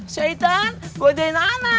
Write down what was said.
syaitan godein ana